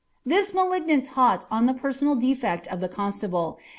'" This malignant taunt on the personal defect of the roiuit«h|ft. ..